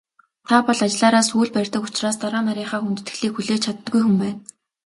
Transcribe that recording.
Та бол ажлаараа сүүл барьдаг учраас дарга нарынхаа хүндэтгэлийг хүлээж чаддаггүй хүн байна.